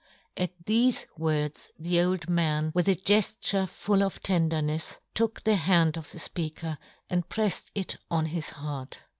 " At thefe words the old man, with a gefturefull of tendernefs, took the hand of the fpeaker and prefTed it on his heart.